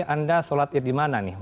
anda sholat idul dimana nih